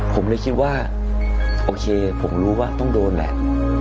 ผมเลยคิดว่าโอเคผมรู้ว่าต้องโดนแหละ